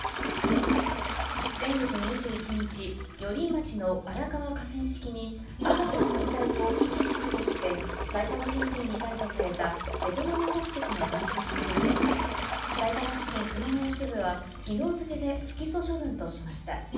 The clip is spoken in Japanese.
先月２１日、寄居町の荒川河川敷に、赤ちゃんの遺体を遺棄したとして、埼玉県警に逮捕されたベトナム国籍の男性について、さいたま地検熊谷支部はきのう付けで不起訴処分としました。